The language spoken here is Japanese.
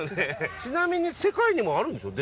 ちなみに世界にもあるんですか？